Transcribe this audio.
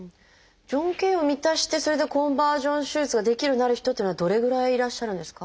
条件を満たしてそれでコンバージョン手術ができるようになる人っていうのはどれぐらいいらっしゃるんですか？